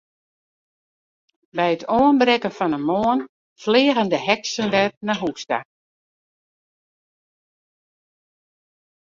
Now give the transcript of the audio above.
By it oanbrekken fan de moarn fleagen de heksen wer nei hús ta.